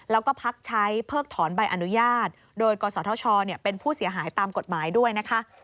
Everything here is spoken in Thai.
แล้วก็พักใช้เพิกถอนใบอนุญาตโดยกศธชเป็นผู้เสียหายตามกฎหมายด้วยนะคะ